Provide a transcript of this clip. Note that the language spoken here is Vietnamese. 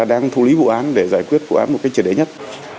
đang thu lý vụ án để giải quyết vụ án một cách trở đế nhất